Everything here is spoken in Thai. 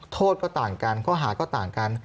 โทษก็ต่างกันข้อหาก็ต่างกัน